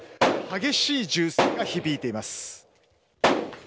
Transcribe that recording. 激しい銃声が響いています。